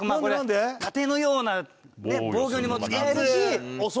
盾のような防御にも使えるし。